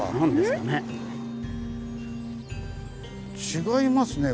違いますね